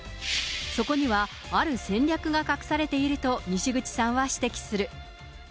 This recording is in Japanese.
そこにはある戦略が隠されていると、にしぐちさんは指摘する。